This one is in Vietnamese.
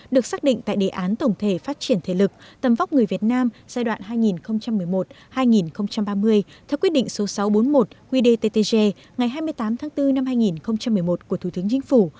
được xác định tại đề án tổng thể phát triển thể lực tầm vóc người việt nam giai đoạn hai nghìn một mươi một hai nghìn ba mươi theo quyết định số sáu trăm bốn mươi một qdttg ngày hai mươi tám tháng bốn năm hai nghìn một mươi một của thủ tướng chính phủ